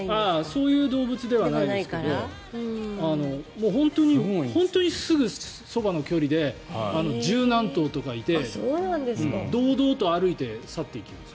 そういう動物ではないんですけど本当にすぐそばの距離で１０何頭とかいて堂々と歩いて去っていきました。